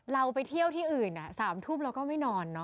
เราไปเที่ยวที่อื่น๓ทุ่มเราก็ไม่นอน